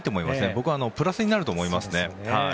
僕はプラスになると思います。